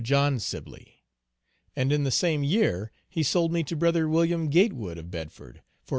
John Sibley; and in the same year he sold me to "Bro." Wm. Gatewood of Bedford, for $850.